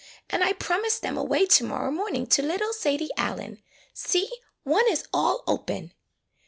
And I promised them away to morrow morning to little Sadie Allen. See, one is all open!"